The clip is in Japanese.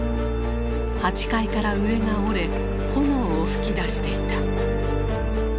８階から上が折れ炎を噴き出していた。